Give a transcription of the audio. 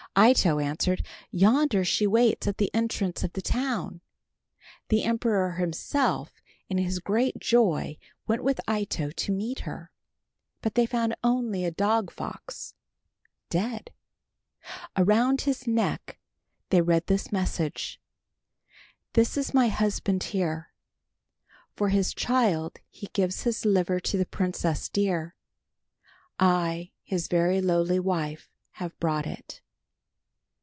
Ito answered, "Yonder she waits at the entrance of the town." The emperor himself in his great joy went with Ito to meet her. But they found only a dog fox dead. Around his neck they read this message, "This is my husband here. "For his child he gives his liver to the princess, dear. I, his very lowly wife, have brought it."